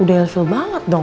udah ill feel banget dong